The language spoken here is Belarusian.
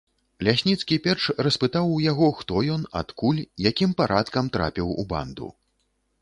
Лясніцкі перш распытаў у яго, хто ён, адкуль, якім парадкам трапіў у банду.